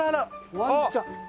ワンちゃんが。